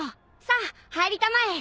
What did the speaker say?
さあ入りたまえ。